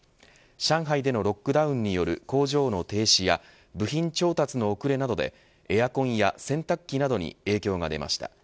上海でのロックダウンによる工場の停止や部品調達の遅れなどでエアコンや洗濯機などに影響が出ました。